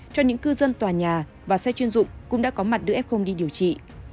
cho những cư dân tòa nhà và xe chuyên dụng cũng đã có mặt đưa f đi điều trị